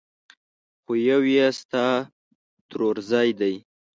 خو يو يې ستا ترورزی دی!